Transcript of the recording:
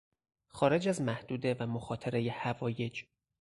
خارج از محدوده و مخاطرهی حوایج